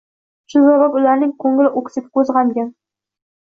Shu sabab ularning ko‘ngli o‘ksik, ko‘zi g‘amgin.